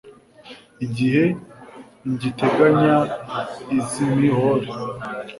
Igihe ngiteganya izimihore